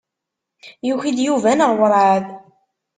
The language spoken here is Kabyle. Yuki-d Yuba neɣ werɛad?